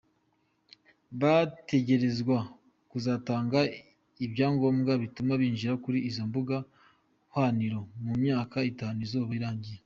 Bategerezwa kuzotanga ivyangombwa bituma binjira kuri izo mbuga hwaniro, mu myaka itanu izoba irangiye.